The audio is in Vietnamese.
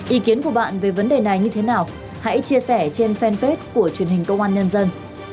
ý kiến của bạn về vấn đề này như thế nào hãy chia sẻ trên fanpage của truyền hình công an nhân dân